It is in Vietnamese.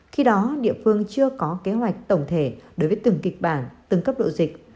khi đó địa phương chưa có kế hoạch tổng thể đối với từng kịch bản từng cấp độ dịch